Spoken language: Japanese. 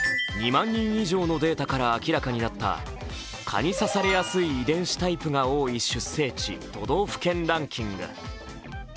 ２万人以上のデータから明らかになった蚊に刺されやすい遺伝子タイプが多い出生地都道府県ランキング。